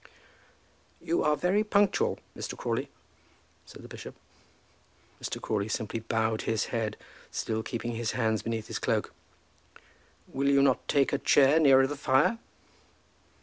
"You are very punctual, Mr. Crawley," said the bishop. Mr. Crawley simply bowed his head, still keeping his hands beneath his cloak. "Will you not take a chair nearer to the fire?"